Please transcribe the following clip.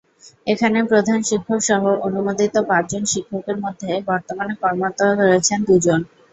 এখানে প্রধান শিক্ষকসহ অনুমোদিত পাঁচজন শিক্ষকের মধ্যে বর্তমানে কর্মরত রয়েছেন দুজন।